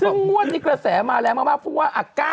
ซึ่งมุดนี้กระแสมาแรงมากพูดว่า๙๓๐๒